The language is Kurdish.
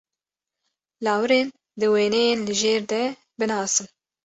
Lawirên di wêneyên li jêr de binasin.